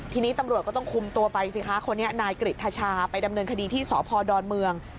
ทีนี้ตำรวจก็ต้องคุมตัวไปสิคะคนนี้นายกริจทชาไปดำเนินคดีที่สพดอนเมือง